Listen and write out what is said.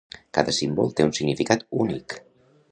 Cada símbol té un significat únic.